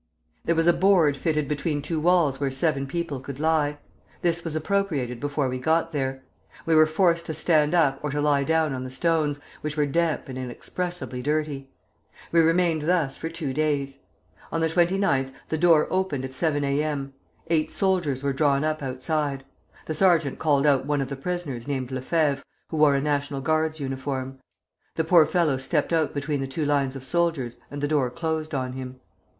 There was a board fitted between two walls where seven people could lie. This was appropriated before we got there. We were forced to stand up or to lie down on the stones, which were damp and inexpressibly dirty. We remained thus for two days. On the 29th the door opened at seven A. M. Eight soldiers were drawn up outside. The sergeant called out one of the prisoners named Lefevre, who wore a National Guard's uniform. The poor fellow stepped out between the two lines of soldiers, and the door closed on him.